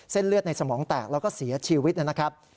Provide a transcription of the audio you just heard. เลือดในสมองแตกแล้วก็เสียชีวิตนะครับ